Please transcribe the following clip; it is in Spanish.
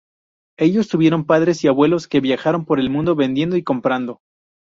Ellos tuvieron padres y abuelos que viajaron por el mundo vendiendo y comprando.